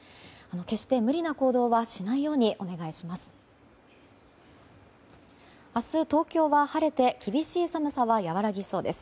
決して無理な行動はしないようにお願いします。